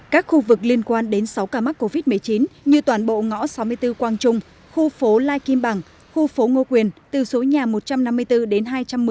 các khu vực liên quan đến sáu ca mắc covid một mươi chín như toàn bộ ngõ sáu mươi bốn quang trung khu phố lai kim bằng khu phố ngô quyền từ số nhà một trăm năm mươi bốn đến hai trăm một mươi